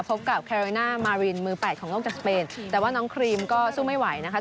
พบกับแคโรน่ามารินมือแปดของโลกจากสเปนแต่ว่าน้องครีมก็สู้ไม่ไหวนะคะ